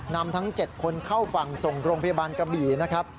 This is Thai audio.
นำทั้ง๗คนเข้าฝั่งส่งโรงพยาบาลกระบี่นะครับ